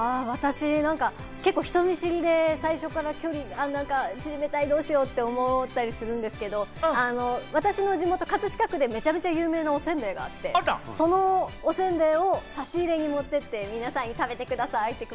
私、結構、人見知りで、最初から距離縮めたい、どうしよう？と思ったりするんですけれども、私の地元・葛飾区でめちゃめちゃ有名なお煎餅があって、そのお煎餅を差し入れに持っていって、皆さんに食べてくださいとか。